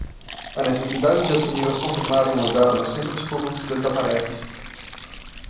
A necessidade de as famílias confirmarem um lugar nos centros públicos desaparece.